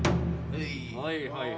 はい。